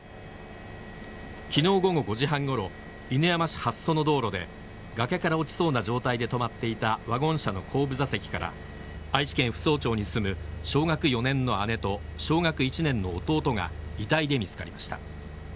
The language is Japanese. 昨日午後５時半ごろ犬山市八曽の道路で崖から落ちそうな状態で止まっていたワゴン車の後部座席から愛知県扶桑町に住む小学４年の姉と小学１年の弟が遺体で見つかりました。